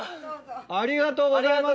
ありがとうございます。